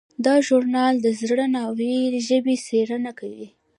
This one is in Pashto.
دا ژورنال د زړې ناروېي ژبې څیړنه کوي.